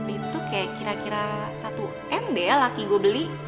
itu kira kira satu m deh ya laki gue beli